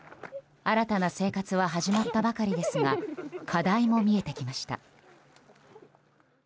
新たな生活は始まったばかりですが課題も見えてきました。